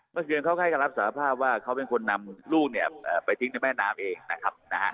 เมื่อคืนเขาให้การรับสารภาพว่าเขาเป็นคนนำลูกเนี่ยไปทิ้งในแม่น้ำเองนะครับนะฮะ